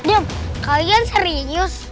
adam kalian serius